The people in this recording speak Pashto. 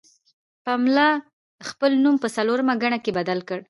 پملا خپل نوم په څلورمه ګڼه کې بدل کړ.